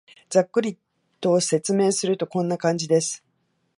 ざっくりと説明すると、こんな感じです